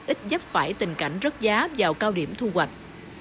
ít dấp phải tình cảnh rớt giá vào cao điểm thu hoạch